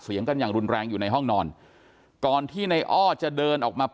เสียงกันอย่างรุนแรงอยู่ในห้องนอนก่อนที่ในอ้อจะเดินออกมา